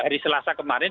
hari selasa kemarin